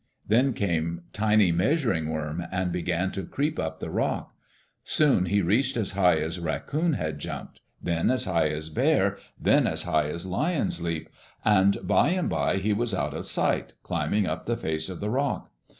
Then came tiny Measuring Worm, and began to creep up the rock. Soon he reached as high as Raccoon had jumped, then as high as Bear, then as high as Lion's leap, and by and by he was out of sight, climbing up the face of the rock.